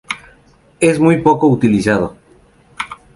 Es muy poco utilizado.